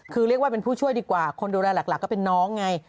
คือเรียกว่าเป็นผู้ช่วยดีกว่าคนดูแลหลักก็เป็นน้องไง